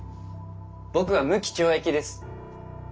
僕は無期懲役です。